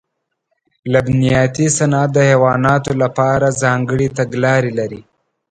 لبنیاتي صنعت د حیواناتو لپاره ځانګړې تګلارې لري.